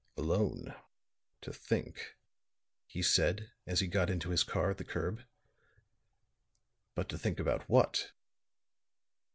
"Alone to think," he said, as he got into his car at the curb. "But to think about what?"